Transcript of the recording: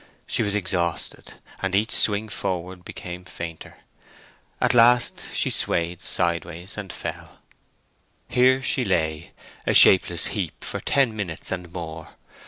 She was exhausted, and each swing forward became fainter. At last she swayed sideways, and fell. Here she lay, a shapeless heap, for ten minutes and more.